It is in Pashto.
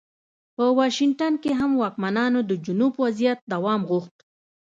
په واشنګټن کې هم واکمنانو د جنوب وضعیت دوام غوښت.